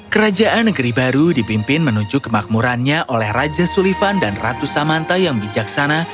kerajaan negeri baru dipimpin menuju kemakmurannya oleh raja sulivan dan ratu samanta yang bijaksana